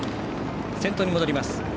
先頭に戻ります。